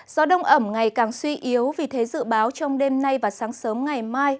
gió đông ẩm ngày càng suy yếu vì thế dự báo trong đêm nay và sáng sớm ngày mai